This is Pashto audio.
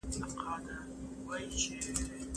زه اجازه لرم چي زده کړه وکړم